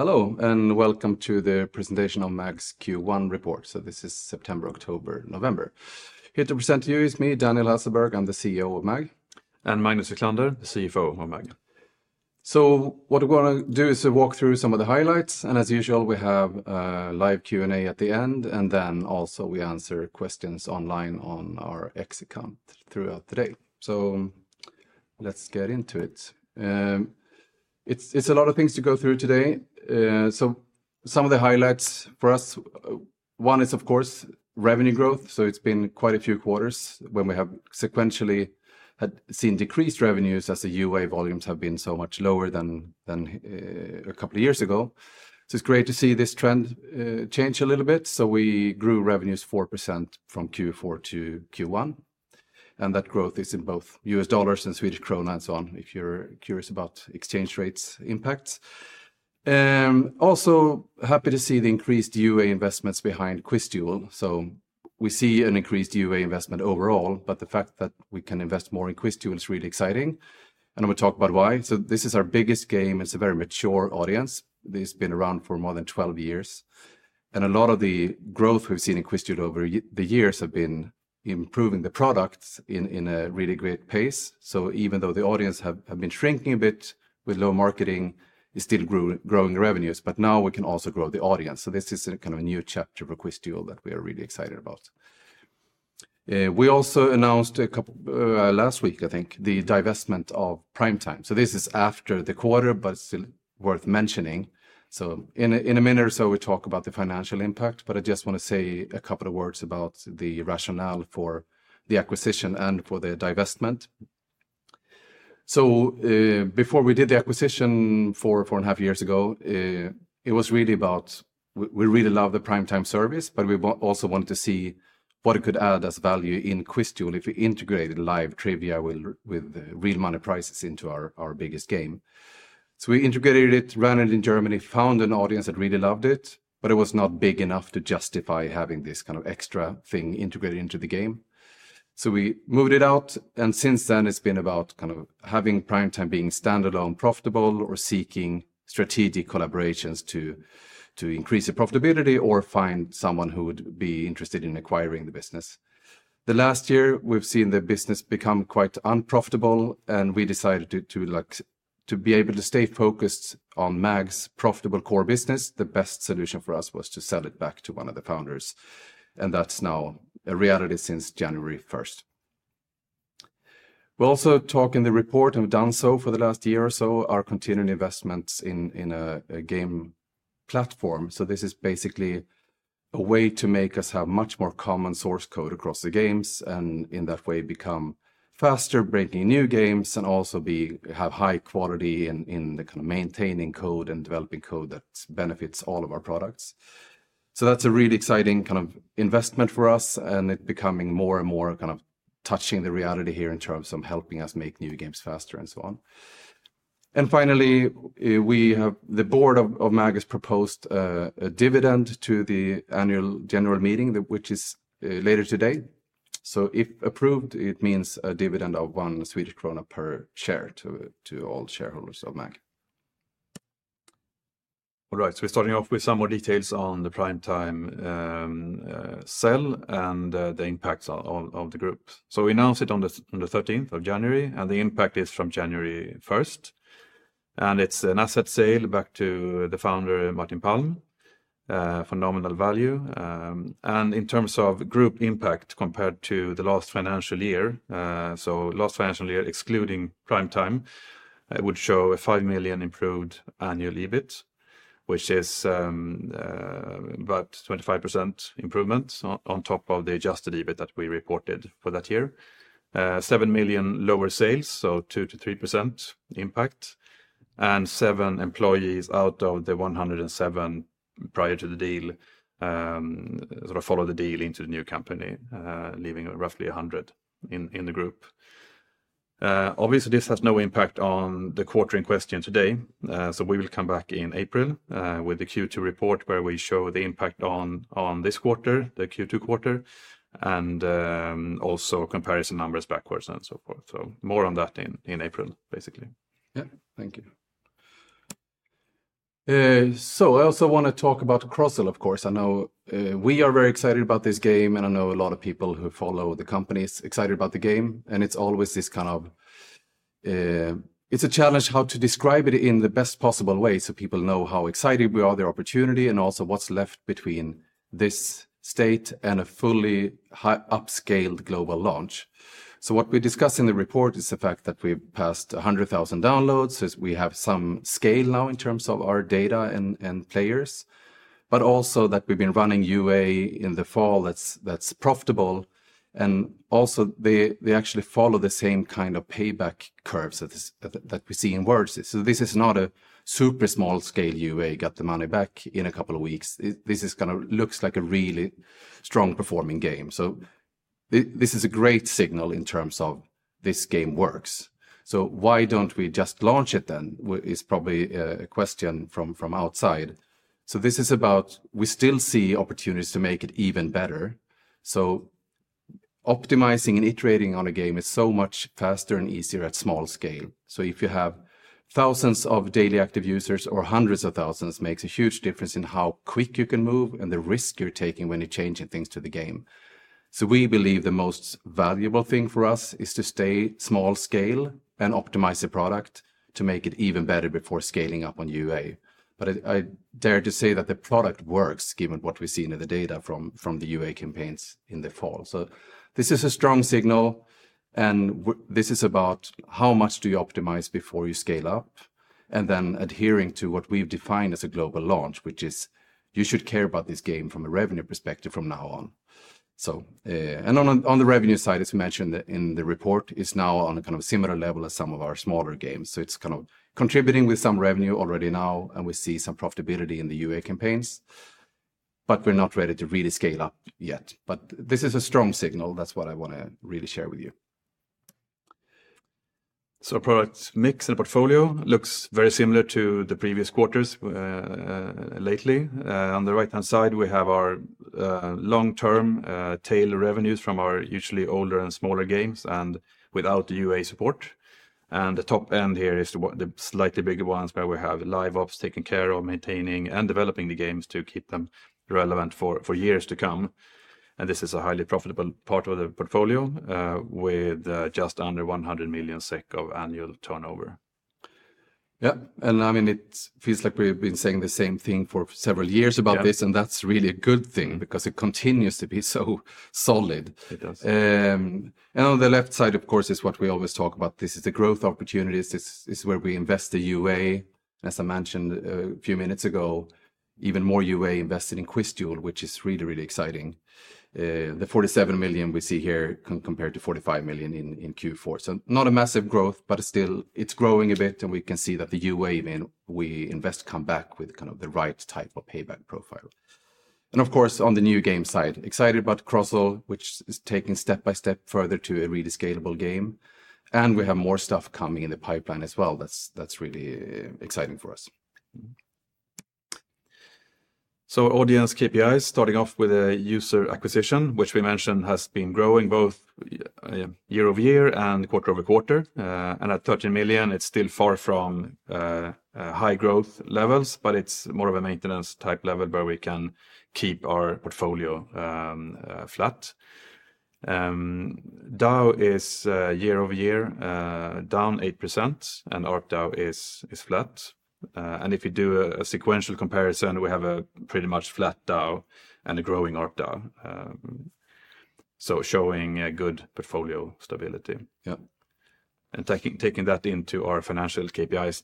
Hello, and welcome to the presentation on MAG's Q1 report. So this is September, October, November. Here to present to you is me, Daniel Hasselberg. I'm the CEO of MAG. And Magnus Wiklander, the CFO of MAG. So what we're going to do is walk through some of the highlights. And as usual, we have a live Q&A at the end, and then also we answer questions online on our X account throughout the day. So let's get into it. It's a lot of things to go through today. So some of the highlights for us, one is, of course, revenue growth. So it's been quite a few quarters when we have sequentially seen decreased revenues as the UA volumes have been so much lower than a couple of years ago. So it's great to see this trend change a little bit. So we grew revenues 4% from Q4 to Q1. And that growth is in both US dollars and Swedish krona and so on, if you're curious about exchange rates impacts. Also, happy to see the increased UA investments behind QuizDuel. So we see an increased UA investment overall, but the fact that we can invest more in QuizDuel is really exciting. And I'm going to talk about why. So this is our biggest game. It's a very mature audience. It's been around for more than 12 years. And a lot of the growth we've seen in QuizDuel over the years has been improving the product in a really great pace. So even though the audience has been shrinking a bit with low marketing, it's still growing revenues. But now we can also grow the audience. So this is kind of a new chapter for QuizDuel that we are really excited about. We also announced last week, I think, the divestment of Primetime. So this is after the quarter, but it's still worth mentioning. So in a minute or so, we'll talk about the financial impact. But I just want to say a couple of words about the rationale for the acquisition and for the divestment. So before we did the acquisition 4.5 years ago, it was really about we really love the Primetime service, but we also wanted to see what it could add as value in QuizDuel if we integrated live trivia with real money prizes into our biggest game. So we integrated it, ran it in Germany, found an audience that really loved it, but it was not big enough to justify having this kind of extra thing integrated into the game. So we moved it out. And since then, it's been about kind of having Primetime being standalone, profitable, or seeking strategic collaborations to increase the profitability or find someone who would be interested in acquiring the business. The last year, we've seen the business become quite unprofitable, and we decided to be able to stay focused on MAG's profitable core business. The best solution for us was to sell it back to one of the founders, and that's now a reality since January 1st. We'll also talk in the report and have done so for the last year or so, our continuing investments in a game platform, so this is basically a way to make us have much more common source code across the games and in that way become faster, bringing new games, and also have high quality in the kind of maintaining code and developing code that benefits all of our products. So that's a really exciting kind of investment for us and it becoming more and more kind of touching the reality here in terms of helping us make new games faster and so on. And finally, the Board of MAG has proposed a dividend to the Annual General Meeting, which is later today. So if approved, it means a dividend of 1 Swedish krona per share to all shareholders of MAG. All right, so we're starting off with some more details on the Primetime sale and the impacts of the group, so we announced it on the 13th of January, and the impact is from January 1st. And it's an asset sale back to the founder, Martin Palm, phenomenal value, and in terms of group impact compared to the last financial year, so last financial year excluding Primetime, it would show a 5 million improved annual EBIT, which is about 25% improvement on top of the adjusted EBIT that we reported for that year. 7 million lower sales, so 2%-3% impact. And 7 employees out of the 107 prior to the deal sort of followed the deal into the new company, leaving roughly 100 in the group. Obviously, this has no impact on the quarter in question today. So we will come back in April with the Q2 report where we show the impact on this quarter, the Q2 quarter, and also comparison numbers backwards and so forth. So more on that in April, basically. Yeah, thank you. So I also want to talk about Crozzle, of course. I know we are very excited about this game, and I know a lot of people who follow the company are excited about the game. And it's always this kind of, it's a challenge how to describe it in the best possible way so people know how excited we are about the opportunity and also what's left between this state and a fully upscaled global launch. So what we discuss in the report is the fact that we've passed 100,000 downloads, so we have some scale now in terms of our data and players, but also that we've been running UA in the fall that's profitable. And also they actually follow the same kind of payback curves that we see in Wordzee. So, this is not a super small-scale UA got the money back in a couple of weeks. This is kind of looks like a really strong-performing game. So, this is a great signal in terms of this game works. So, why don't we just launch it then? Is probably a question from outside. So, this is about we still see opportunities to make it even better. So, optimizing and iterating on a game is so much faster and easier at small scale. So, if you have thousands of daily active users or hundreds of thousands, it makes a huge difference in how quick you can move and the risk you're taking when you're changing things to the game. So, we believe the most valuable thing for us is to stay small-scale and optimize the product to make it even better before scaling up on UA. But I dare to say that the product works given what we've seen in the data from the UA campaigns in the fall. So this is a strong signal. And this is about how much do you optimize before you scale up and then adhering to what we've defined as a global launch, which is you should care about this game from a revenue perspective from now on. And on the revenue side, as we mentioned in the report, it's now on a kind of similar level as some of our smaller games. So it's kind of contributing with some revenue already now, and we see some profitability in the UA campaigns. But we're not ready to really scale up yet. But this is a strong signal. That's what I want to really share with you. So product mix and portfolio looks very similar to the previous quarters lately. On the right-hand side, we have our long-term tail revenues from our usually older and smaller games and without the UA support. And the top end here is the slightly bigger ones where we have live ops taken care of, maintaining, and developing the games to keep them relevant for years to come. And this is a highly profitable part of the portfolio with just under 100 million SEK of annual turnover. Yeah, and I mean, it feels like we've been saying the same thing for several years about this, and that's really a good thing because it continues to be so solid. And on the left side, of course, is what we always talk about. This is the growth opportunities. This is where we invest the UA, as I mentioned a few minutes ago, even more UA invested in QuizDuel, which is really, really exciting. The 47 million we see here compared to 45 million in Q4. So not a massive growth, but still it's growing a bit, and we can see that the UA we invest come back with kind of the right type of payback profile. And of course, on the new game side, excited about Crozzle, which is taking step by step further to a really scalable game. We have more stuff coming in the pipeline as well. That's really exciting for us. So audience KPIs, starting off with user acquisition, which we mentioned has been growing both year-over-year and quarter-over-quarter. And at 13 million, it's still far from high growth levels, but it's more of a maintenance type level where we can keep our portfolio flat. DAU is year-over-year down 8%, and ARPDAU is flat. And if you do a sequential comparison, we have a pretty much flat DAU and a growing ARPDAU, so showing good portfolio stability. Yeah. And taking that into our financial KPIs,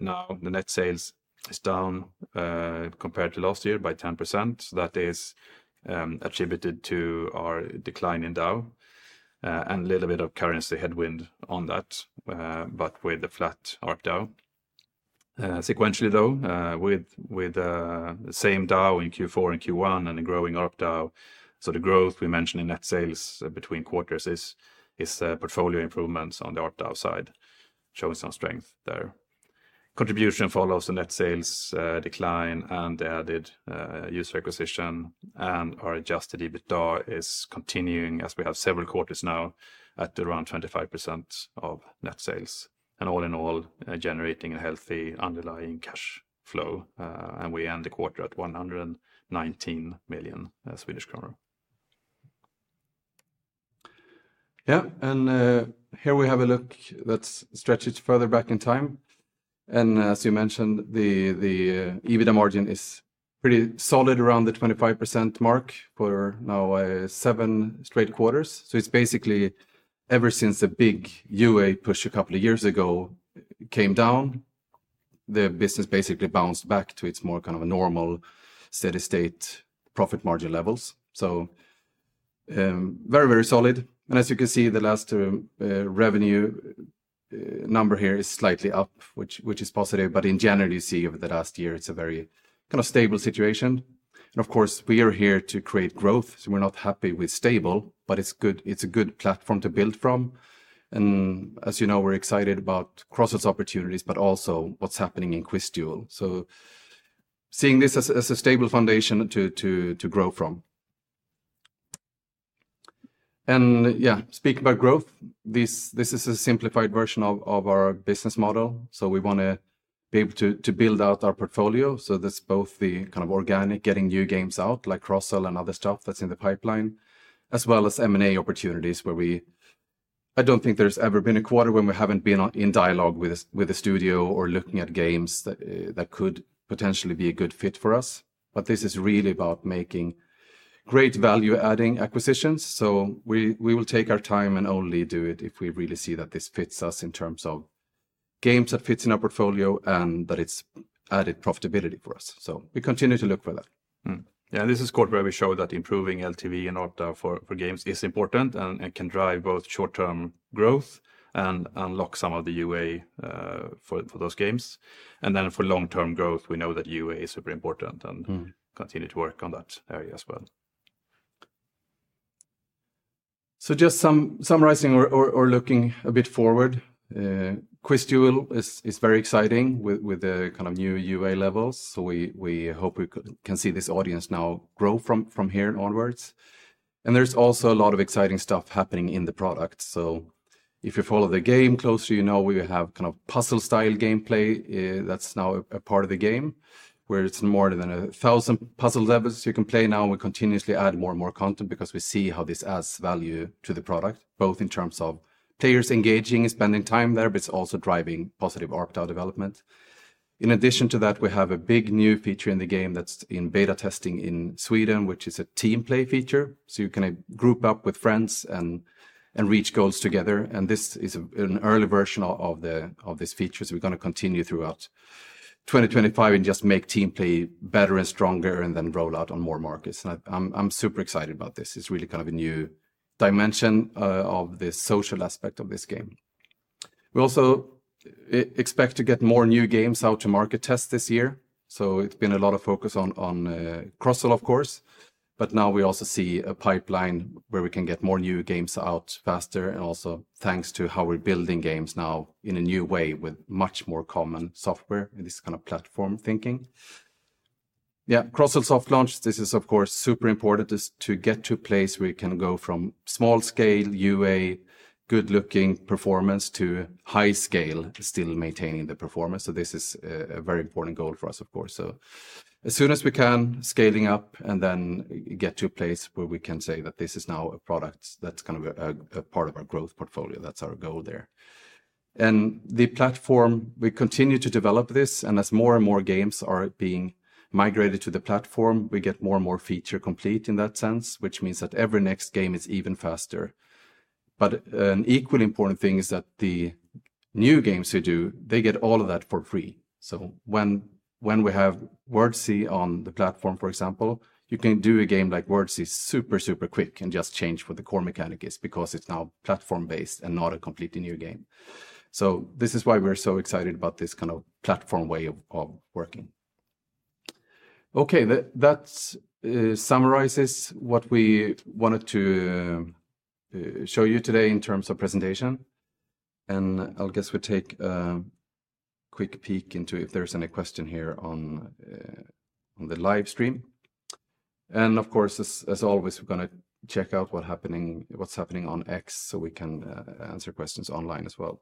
now the net sales is down compared to last year by 10%. So that is attributed to our decline in DAU and a little bit of currency headwind on that, but with a flat ARPDAU. Sequentially, though, with the same DAU in Q4 and Q1 and a growing ARPDAU, so the growth we mentioned in net sales between quarters is portfolio improvements on the ARPDAU side, showing some strength there. Contribution follows the net sales decline and the added user acquisition, and our adjusted EBITDA is continuing as we have several quarters now at around 25% of net sales. And all in all, generating a healthy underlying cash flow. And we end the quarter at 119 million Swedish kronor. Yeah, and here we have a look that's stretched further back in time, and as you mentioned, the EBITDA margin is pretty solid around the 25% mark for now seven straight quarters. So it's basically ever since a big UA push a couple of years ago came down, the business basically bounced back to its more kind of normal steady state profit margin levels. So very, very solid, and as you can see, the last revenue number here is slightly up, which is positive. But in general, you see over the last year, it's a very kind of stable situation. Of course, we are here to create growth, so we're not happy with stable, but it's a good platform to build from, and as you know, we're excited about Crozzle's opportunities, but also what's happening in QuizDuel, so seeing this as a stable foundation to grow from. And yeah, speaking about growth, this is a simplified version of our business model. So we want to be able to build out our portfolio. So that's both the kind of organic getting new games out like Crozzle and other stuff that's in the pipeline, as well as M&A opportunities where we, I don't think there's ever been a quarter when we haven't been in dialogue with a studio or looking at games that could potentially be a good fit for us. But this is really about making great value-adding acquisitions. So we will take our time and only do it if we really see that this fits us in terms of games that fit in our portfolio and that it's added profitability for us. So we continue to look for that. Yeah, and this is a quarter where we show that improving LTV and ARPDAU for games is important and can drive both short-term growth and unlock some of the UA for those games. And then for long-term growth, we know that UA is super important and continue to work on that area as well. So just summarizing or looking a bit forward, QuizDuel is very exciting with the kind of new UA levels. So we hope we can see this audience now grow from here onwards. And there's also a lot of exciting stuff happening in the product. So if you follow the game closely, you know we have kind of puzzle-style gameplay that's now a part of the game where it's more than 1,000 puzzle levels you can play now. We continuously add more and more content because we see how this adds value to the product, both in terms of players engaging and spending time there, but it's also driving positive ARPDAU development. In addition to that, we have a big new feature in the game that's in beta testing in Sweden, which is a team play feature. So you can group up with friends and reach goals together. This is an early version of this feature. We're going to continue throughout 2025 and just make team play better and stronger and then roll out on more markets. I'm super excited about this. It's really kind of a new dimension of the social aspect of this game. We also expect to get more new games out to market test this year. It's been a lot of focus on Crozzle, of course, but now we also see a pipeline where we can get more new games out faster and also thanks to how we're building games now in a new way with much more common software and this kind of platform thinking. Yeah, Crozzle soft launch. This is of course super important to get to a place where we can go from small scale UA, good looking performance to high scale, still maintaining the performance. This is a very important goal for us, of course. As soon as we can scaling up and then get to a place where we can say that this is now a product that's kind of a part of our growth portfolio, that's our goal there. The platform, we continue to develop this and as more and more games are being migrated to the platform, we get more and more feature complete in that sense, which means that every next game is even faster. But an equally important thing is that the new games we do, they get all of that for free. When we have Wordzee on the platform, for example, you can do a game like Wordzee super, super quick and just change what the core mechanic is because it's now platform-based and not a completely new game. So this is why we're so excited about this kind of platform way of working. Okay, that summarizes what we wanted to show you today in terms of presentation. And I'll guess we take a quick peek into if there's any question here on the live stream. And of course, as always, we're going to check out what's happening on X so we can answer questions online as well.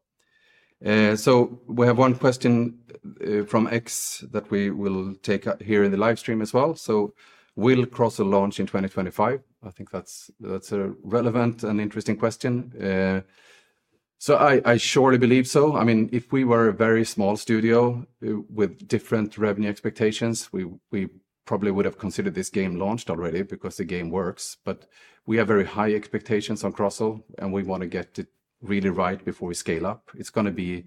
So we have one question from X that we will take here in the live stream as well. So will Crozzle launch in 2025? I think that's a relevant and interesting question. So I surely believe so. I mean, if we were a very small studio with different revenue expectations, we probably would have considered this game launched already because the game works. But we have very high expectations on Crozzle and we want to get it really right before we scale up. It's going to be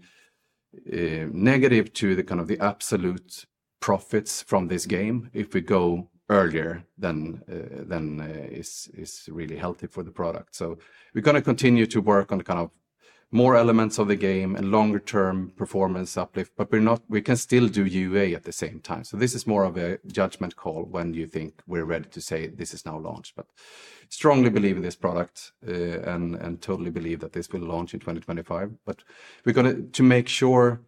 negative to the kind of the absolute profits from this game if we go earlier than is really healthy for the product. So we're going to continue to work on kind of more elements of the game and longer-term performance uplift, but we can still do UA at the same time. So this is more of a judgment call when you think we're ready to say this is now launched. But strongly believe in this product and totally believe that this will launch in 2025. But we're going to make sure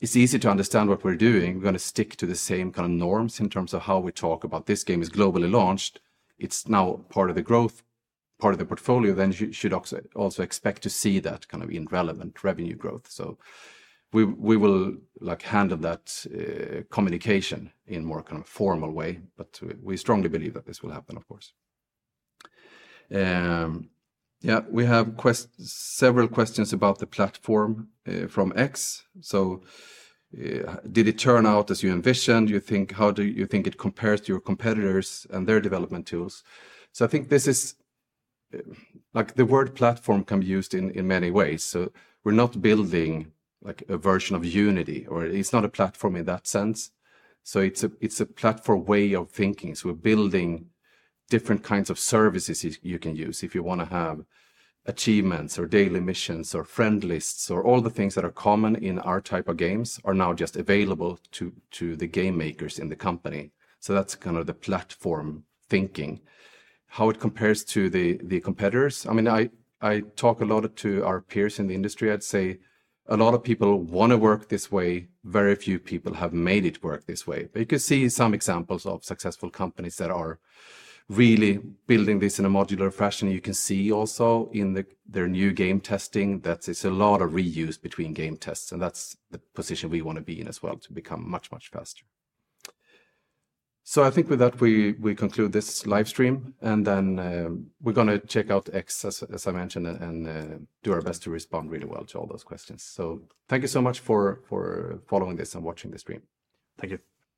it's easy to understand what we're doing. We're going to stick to the same kind of norms in terms of how we talk about this game is globally launched. It's now part of the growth, part of the portfolio. Then you should also expect to see that kind of relevant revenue growth. So we will handle that communication in more kind of a formal way, but we strongly believe that this will happen, of course. Yeah, we have several questions about the platform from X. So did it turn out as you envisioned? You think, how do you think it compares to your competitors and their development tools? So I think this is like the word platform can be used in many ways. So we're not building like a version of Unity or it's not a platform in that sense. So it's a platform way of thinking. So we're building different kinds of services you can use if you want to have achievements or daily missions or friendlists or all the things that are common in our type of games are now just available to the game makers in the company. So that's kind of the platform thinking. How it compares to the competitors? I mean, I talk a lot to our peers in the industry. I'd say a lot of people want to work this way. Very few people have made it work this way. But you can see some examples of successful companies that are really building this in a modular fashion. You can see also in their new game testing that there's a lot of reuse between game tests. And that's the position we want to be in as well to become much, much faster. So I think with that, we conclude this live stream. And then we're going to check out X, as I mentioned, and do our best to respond really well to all those questions. So thank you so much for following this and watching the stream. Thank you.